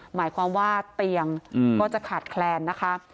หมายความว่าเตียงก็จะขาดแคลนนะคะ